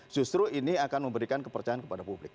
justru ini akan memberikan kepercayaan kepada publik